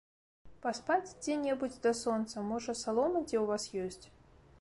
Паспаць дзе-небудзь да сонца, можа, салома дзе ў вас ёсць?